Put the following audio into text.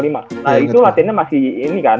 nah itu latihannya masih ini kan